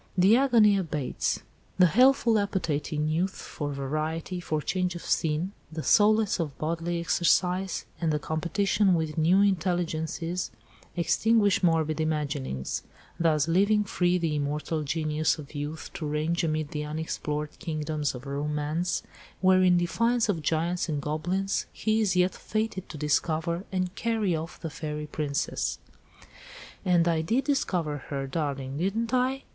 The agony abates. The healthful appetite in youth for variety, for change of scene, the solace of bodily exercise, and the competition with new intelligences, extinguish morbid imaginings: thus leaving free the immortal Genius of Youth to range amid the unexplored kingdoms of Romance, where in defiance of giants and goblins, he is yet fated to discover and carry off the fairy princess. "And I did discover her, darling, didn't I?"